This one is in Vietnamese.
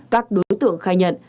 các đối tượng khai nhận